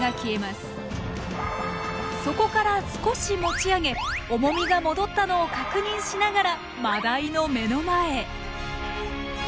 そこから少し持ち上げ重みが戻ったのを確認しながらマダイの目の前へ！